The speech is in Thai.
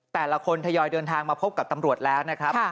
แต่ละคนทยอยเดินทางมาพบกับตำรวจแล้วนะครับ